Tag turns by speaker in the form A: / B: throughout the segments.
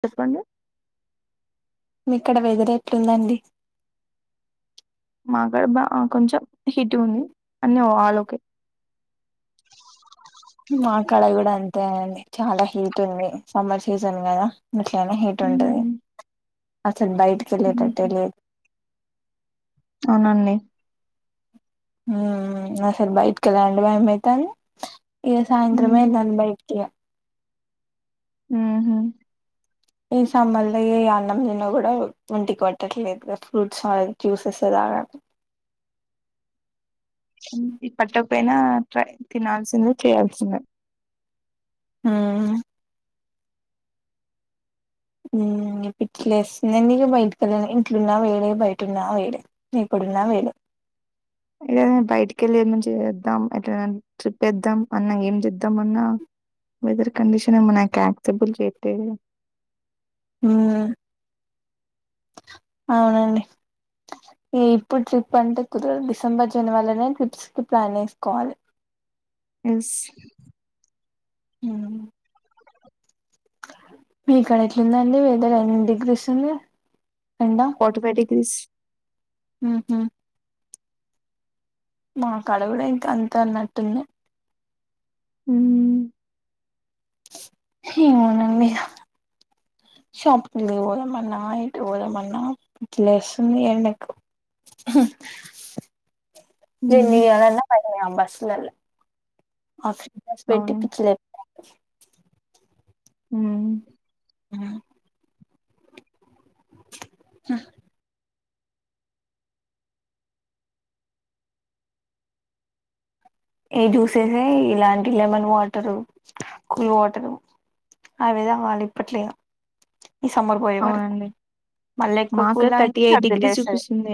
A: చెప్పండి
B: మీక్కడ వెదిరేట్లుందండి
A: మా కడ బాగా కొంచెం హిటగా ఉంది అని ఆల్ ఒకే
B: ఇ క్కడ కూడా అంతేండి చాలా హీట్ ఉంది సమ్మర్ సీజన్ కదా ఇట్లనే హీట్ ఉంటది
A: హ్మ్.
B: అసలు బైట్కి ఏలే టట్టే
A: హుహు.
B: లేదు
A: అవునండి
B: మ్.. అసలు బయటికి వెళ్ళలాంటే భయం అయ్తంది ఇ సాయంత్రం అయితాంది బయటికి ఇగ
A: ఊ.. మ్
B: ఈ సమ్మర్ లో ఏ అన్నం తినకూడదు ఒంటికి పట్టట్లేదు కదా ఫ్రూట్స్ అ జ్యూసెసే తాగాలి [inaudible]
A: ఈ పట్టపైనా ట్రై తినాల్సిందే చేయాల్సిందే
B: అమ్మ్.... మ్.. పిచ్చి లేస్తుంది అండి ఇంట్లో ఉన్న వేడే బయట ఉన్న వేడే వెళ్ళిన వేడే
A: ఇ బయటికి వెళ్ళి ఏమైనా చేద్దాం ఎట్లాయినా ట్రిప్ ఏద్దాం అన్న ఏం చేద్దాం అన్నా వెదర్ కండిషన్ ఏమన యాక్సెబుల్ చెప్పేది
B: మ్మ్.. అవునండి ఏ ఇప్పుడు ట్రిప్ అంటే కుదరదు డిసెంబర్ జనవరిలోనే ట్రిప్స్ కి ప్లాన్ వేసుకోవాలి [inaudible]
A: ఎస్
B: మ్మ్.. మీక్కడ ఎట్లుందండి వేఅతేర్ ఎన్ని డిగ్రీస్ ఉంది
A: ఫోర్టిఫైవ్ డిగ్రీస్
B: ఊ హమ్ మా కాడా కూడా ఇంకా అంతే అన్నట్టుంది
A: మ్........
B: ఏమోనండి షాప్ కి పోదామన్నా ఎటు పోదామన్న పిచిలేస్తుంది ఎండీకి [unintelligible] [unintelligible] ఆస్ పెట్టి
A: అవును
B: పిచ్చిలే
A: మ్...
B: [inaudible] హ్.... ఏ జ్యూసేసే ఇలాంటి లెమన్ వాటరు కూల్ వాటరు అవిధా వాళ్ళ ఇప్పట్లే ఇగ ఈ సమ్బర్ పోయే వరకు
A: అవునండి
B: మళ్ళీ ఎక్కువ
A: మాకు
B: కూల్ తాగితే
A: థర్టీ ఎయిట్ డిగ్రీస్
B: సబ్దులేస్తది
A: చూపిస్తుంది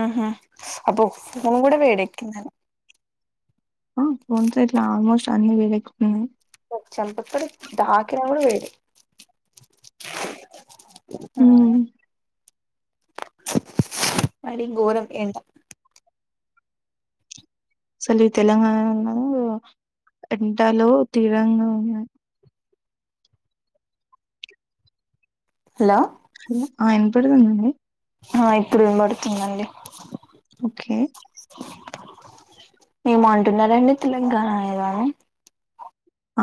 B: ఊహూ స్ అబ్బో ఫోన్ కూడా వేడేక్కేంది
A: హా.. ఫోన్ ఇట్లా ఆల్మోస్ట్ అన్ని వేడియెకుతున్నాయి
B: చెంప పడి దాకినా కూడా వేడి మ్
A: ఉమ్
B: మరీ గోరం ఏండా
A: అసలు ఈ తెలంగాణ ఉన్న ఎండలో తీవ్రంగా ఉన్నాయి
B: హలో
A: ఆ ఈన్పడ్తునండి
B: ఆ ఇప్పుడు వినబడుతుంది అండి
A: ఓకే
B: ఏమో అంటున్నారంండి తెలంగా న ఏదోఅని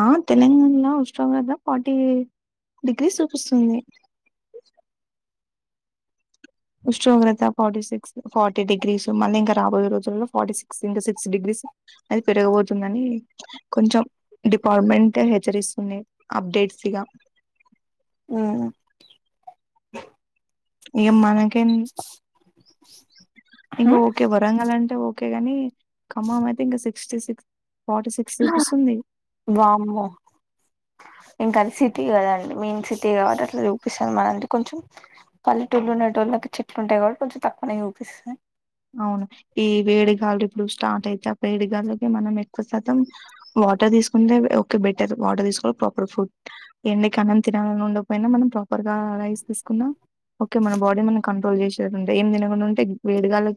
A: ఆ తెలంగాణలో ఉష్ణోగ్రత ఫార్టీ డిగ్రీ చూపిస్తుంది
B: [inaudible]
A: ఉష్ణోగ్రత ఫార్టీ సిక్స్ ఫార్టీ డిగ్రీస్ మళ్ళీ ఇంకా రాబోయే రోజుల్లో ఫార్టీ సిక్స్ ఇకా సిక్స్ డిగ్రీస్ అది పెరగబోతుందని కొంచెం డిపార్ట్మెంట్ హెచ్చరిస్తుంది అప్డేట్ సిగా
B: మ్
A: ఇగ మనకేం ఓకే వరంగల్ అంటే ఓకే గాని ఖమ్మం అయితే ఇంకా సిక్స్టీ సిక్స్ ఫార్టీ సిక్స్ చూపిస్తుంది
B: వామ్మో ఇంకా అది సిటీ కదండి మెయిన్ సిటీ కాబట్టి అట్లా చూపిస్తాారు మన కొంచెం పల్లెటోళ్ళు ఉండేటోళ్లకి చెట్లు ఉంటాయి కాబట్టి కొంచెం తక్కువ చూపిస్తాయి
A: అవును ఈ వేడిగాలు ఇప్పుడు స్టార్ట్ అయితే ఆ వేడిగాలకి మనం ఎక్కువ శాతం వాటర్ తీసుకుంటే కూడా బెటర్ వాటర్ తీసుకోవాలి ప్రాపర్ ఫుడ్ ఎండకాలం తినాలని ఉండకపోయినా మనం ప్రపర్ రైస్ తీసుకుందాం ఓకే మన బాడీ మన కంట్రోల్ చేసేది ఉంటాయిఏ తినకుండా ఉంటే వేడిగాలి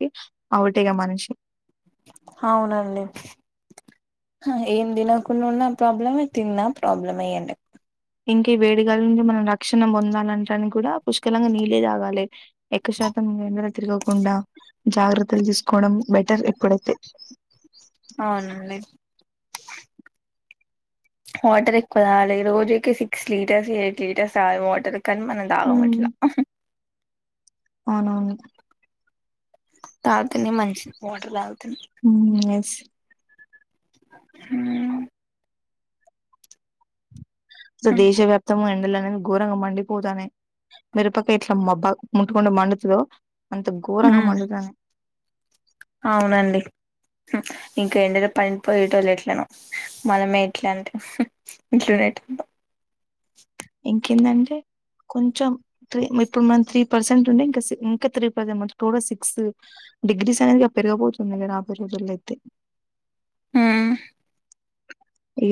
B: అవునండి ఏం తినకుండా ఉన్నా ప్రాబ్లమే తిన్నా ప్రాబ్లం ఎండకి
A: ఇంక వేడిగాలు నుంచి మనం తక్షణం పొందాలంటానికి కూడా పుష్కలంగా నీళ్ళే తాగాలి ఎక్కువ శాతం ఎండలో తిరగకుండా జాగ్రత్తలు తీసుకోవడం బెటర్ ఎప్పుడైతే
B: అవునండి వాటర్ ఎక్కువ తాగలేదు రోజుకి సిక్స్ లీటర్స్ ఎయిట్ లీటర్స్ తాగాల వాటర్ కానీ మనం తాగం
A: ఉమ్,
B: అట్లా
A: అవునవును
B: తాగితేనే మంచిది వాటర్ తాగితేనే
A: మ్ ఎస్
B: మ్
A: సో దేశవ్యాప్తము ఎండలు అనేది ఘోరంగా మండిపోతానే మిరుపక్కయ్ ఇట్లా మబ్బా ముట్టుకుంటే మండుతాదొ
B: మ్ అవునండి ఇంకా ఏంటో పనిపోయేటోళ్ళు ఎట్లన మనమే ఎట్లా అంటే ఇట్లునేట్ [inaudible]
A: ఇంకేందంటే కొంచెం త్రీ ఇప్పుడు మన త్రీ పర్సెంట్ ఉండే ఇం ఇంకా త్రీ పర్సెంట్ మ టోటల్ సిక్స్ డిగ్రీస్ అనేది పెరిగబొతు ఇగ రాబోయే రోజుల్లో అయితే
B: ఉ
A: ఈ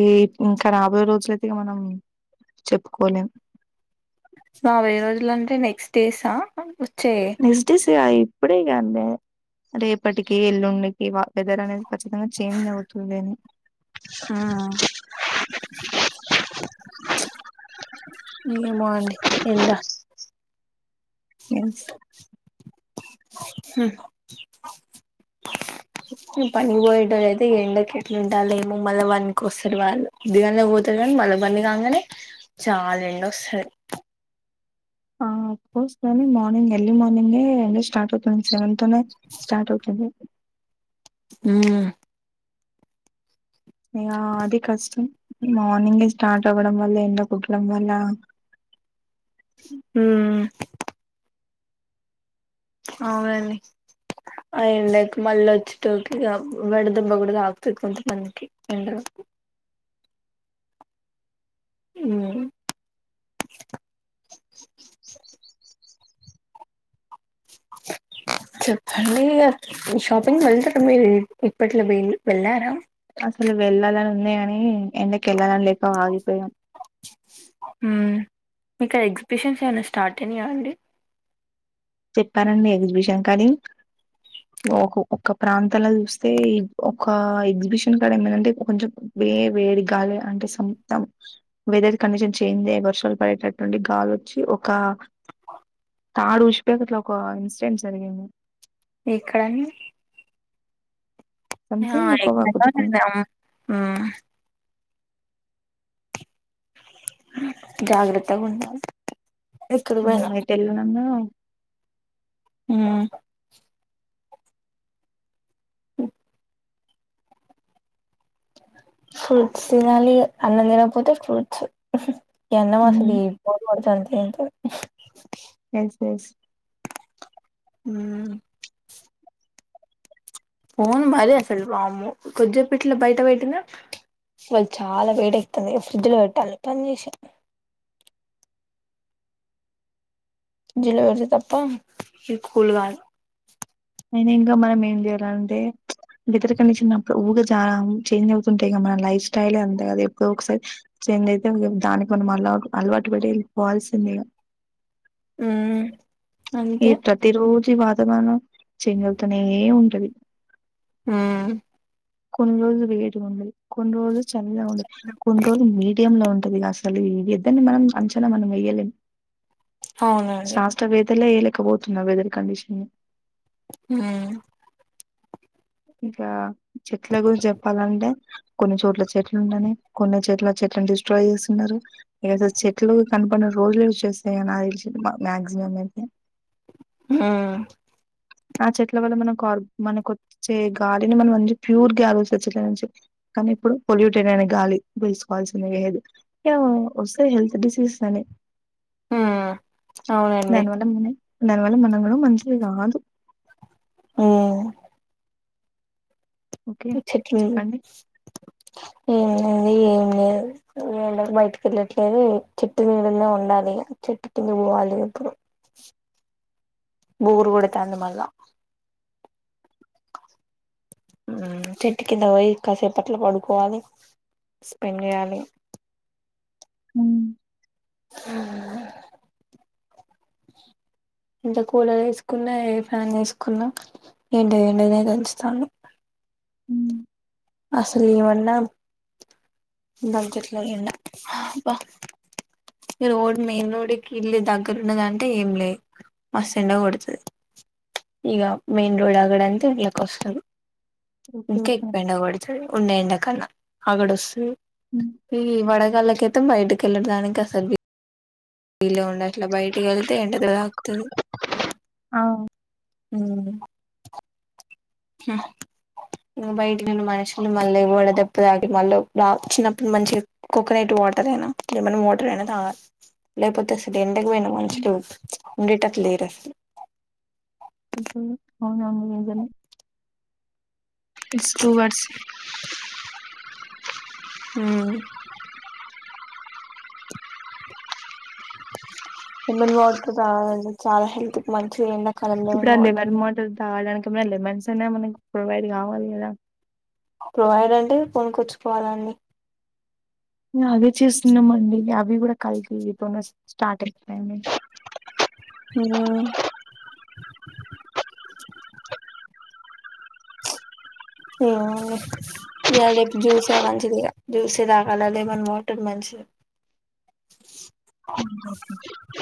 A: ఇంకా రాబోయ రోజులయితేగా మనం చెప్పుకోలేం
B: మా వెయ్యి రోజులు అంటే నెక్స్ట్ డేస
A: నెక్ డేస్ ఇప్పుడే కాం రేపటి కి ఎల్లుండి ఈ వ వెదర్ అనేది ఖచ్చితంగా చేంజ్ అవుతుంది అని
B: ఉ అ ఎర్లీ మార్నింగ్ ఎండ
A: ఎన్స్
B: స [unintelligible] పనికి పోయటోళ్లు అయితే ఎండకి ఎట్లా ఉంటాల్లో ఏమో మళ్ళా ఒన్ కి వస్తరు వాళ్ళు పొద్దగాల్నే పోతరు కా మల్ల వన్ కాంగానే చాలా ఎండొస్తది
A: అ ఆఫకోర్స్ కని మార్నింగ్ ఎర్లీ మార్నింగే ఎండ స్టార్ట్ అవుతుంది సెవెన్ తనే స్టార్ట్ అవుతుంది
B: ఆ
A: అది కష్టం మార్నింగే స్టార్ట్ అవ్వడం వల్ల ఎండ కుట్టడం వల్ల
B: ఉ అవునండి అయి లైక్ మళ్ళీ వచ్చిట్టుకి వడ దేబ్బ కూడా తాకుతది కొంత మందికి ఎండర్ [inaudible] ఇవన్ [unintelligible] [inaudible] చెప్పండి, ఎప్. హ్మ్మ్, షాపింగ్ వెళ్తాకు. [unintelligible] మీరు ఇప్ప ఇప్పట్లో వెళ్ల వెళ్లారా?
A: అసలు వెళ్లాలని ఉంది కాని, ఎండకి వెళ్లాలని లేక ఆగిపోయిన.
B: హ్మ్మ్, ఇక్కడ ఎగ్జిబిషన్స్ ఏమనా స్టార్ట్ అనాయా అండి?
A: చెప్పరాండి? ఎగ్జిబిషన్ అన్నీ. ఓహో, ఒక్క అప్. ప్రాంతాలాల్ చూస్తా, ఒక ఎగ్జిబిషన్ కడ ఏమైందంటే? కొంచెం వే వేడిగాలి అంటే. అంటే, సొం తమ. వెదర్ కండిషన్ చేంజ అయ్యే వర్షాలు పడేటటుఉండి గాలోచ్చి ఒక. తాడు ఓష్‌పోయ్, ఒక అట్లా. ఒక ఇన్సిడెంట్ జరిగింది.
B: ఇక్కడ అన్ని. ఆ
A: సంథింగ్ ఒక
B: ఎక్కడ [unintelligible] అం. ఉమ్మ్ హ్మ్మ్, జాగ్రత్త గా ఉండాలి. ఎక్కడికి
A: ఆ
B: పోయినా
A: ఏట్లెల్లాలనా?
B: హ్మ్మ్. హు. ఫ్రూట్స్ తినాలి ఇగ. అన్నం తినకపోతే ఫ్రూట్స్ ఊ హహా. ఏనా వాస
A: హ్మ్
B: బియ్యం. [unintelligible] రోజూ అంటే ఇంత.
A: Yes, yes.
B: హ్మ్మ్. ఫోన్ మరి అసలు. వమో కొజపట్లో బయట పెట్టిన. వాళ్లు చాలా వేడెక్కుతాది, ఫ్రిడ్జ్‌లో పెట్టాలి బన్ జేసి. ఫ్రిడ్జ్‌లో పెడితే తప్ప, ఇది కూల్ కాదు?
A: అయినా ఇగా మనం ఏం జేయాలంటే? వెదర్ కండిషన్ప్పుడు, ఊగే చాలా చేంజ్ అవుతుంటాయి కదా? మనల్ని. లైఫ్ స్టైల్ ఏ అంటే, అది ఎప్పుడో ఒకసారి చేంజ్ అయితే, ఇగ దానికి కొని మటాద్ అలవాటు పడే వెళ్లిపోవాల్సిందే.
B: [inaudible] మ్మ్
A: ఈ
B: అంతే
A: ప్రతిరోజ, ఈ వాత్. దా మనం చేంజ్ అవుతూనే ఉంటది.
B: ఉమ్.
A: కొన్ని రోజులు వేడిగా ఉండే, కొన్ని రోజులు చల్లగా ఉండే, కొన్ని రోజులు మీడియం లో ఉండే. ఉంటది. ఇగ అసలు ఇళ్ల ఇద్దరిని మనం అంచన మనం వేయలేం.
B: అవునండి
A: శాస్త్రవేత్తలే, ఏయలేకపోతున్నారు వెదర్ కండిషన్‌ని.
B: ఉమ్.
A: ఇగ చెట్ల గురించి చెప్పాలంటే, కొన్ని చోట్ల చెట్లు ఉండని. కొన్ని చెట్ల, చెట్లను డిస్ట్రాయ్ చేస్తున్నారు. ఇగ జూడు, చెట్లు కనపడని రోజులే వచ్చేస్తాయి నాక్ తెలిసి. మాక్సిమం అయితే.
B: ఉమ్మ్.
A: ఆ చెట్ల వల్ల మనకు, కర్ మనకొచ్చే గాలిని మన మంచి ప్యూర్ గాలి వస్తాది. చెట్ల నుంచి కానీ ఇప్పుడు పొల్యూటెడ్ అయిన గాలి పీల్చుకోవాల్సిందే. ఎది ఏమో వస్తే, హెల్త్ డిసీజెస్ అని.
B: మ్మ్ అవునండి
A: దానివల్ల మనం, దానివల్ల మనం గూడ మంచిది కాదు.
B: ఉమ్మ్.
A: ఓకే
B: ఈ చెట్లు,
A: చెప్పండి
B: మ్మ్. అది ఏం లేదు, వేళక్ బయటికి వెళ్లట్లేదు. చెట్టు నీడనే ఉండాలి చెట్టు. ఇగ పోవాలి ఇప్పుడు, బోర్ కొడతాంది మళ్ల. మ్మ్, చెట్టు కింద పోయి కాసేపట్ల పడుకోవాలి. స్పెండ్ చేయాలి.
A: ఉమ్.
B: మ్మ్ మ్ ఇంత కూలర్ వేసుకున్నా, ఏ ఫ్యాన్ వేసుకున్నా, ఎండ ఎండనే తలుస్తాది.
A: ఉమ్,
B: అసలు ఏమన్నా బడ్జెట్ లో అయిందా అబ్బా ఈ రోడ్ మెయిన్ రోడ్కి ఇల్లు దగ్గరు ఉన్నదంటే ఏం లే మస్తు ఎండ కొడుతది ఈగా మెయిన్ రోడ్ ఆగడ అంతే ఇళ్ళ కు వస్తారు
A: ఓకే
B: ఊకె
A: ఓకే
B: ఎండ కొడతాది ఉండే ఎండా కన్నా ఆగడు వస్తూ ఈ వడగాళ్ళ కైతే బయటకి వెళ్ళటడాానికి అసలు వీలే ఉండట్లా బయటికి వెళతే ఎండ తాకుతది
A: అవును
B: ఊ హు బయటికి పోయిన మనుషులు మళ్ళీ కూడా దేబ్బ దాగి మళ్ళీ వచ్చిన్నప్పుడు మంచిగా కోకోనట్ వాటర్ అయినా లేమన్ వాటర్ అయినా తాగాలి లేకపోతే అసలు ఎండకు పోయిన మనుషులు ఉండేటట్లు లేరు అసలు
A: ఉహు అ అవును అవును నిజమే ఇట్స్ స్టూవర్స్
B: హు లేమన్ వాటర్ తాగాలి చాలా హెల్త్ కి మంచిగా ఎండకి
A: ఇప్పుడ లెమన్ వాటర్ తాగడానికి లెమన్స్ అనే మనకి ప్రొవైడ్ కావాలి కదా
B: ప్రొవైడ్ అంటే కొనుకొచ్చు కోవాలండి
A: అదే చేస్తున్నాం అండి అవి కూడా కల్తీ తోనే వసు స్టార్టింగ్ టైమే
B: ఆ ఏమో అండి ఇయాల రేపు జ్యూసే మంచిది జ్యూసే తాగాల లేమన వాటర్ మంచిది
A: [unintelligible]